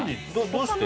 どうして？